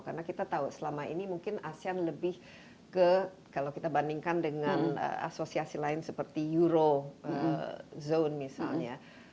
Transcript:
karena kita tahu selama ini mungkin asean lebih ke kalau kita bandingkan dengan asosiasi lain seperti eurozone misalnya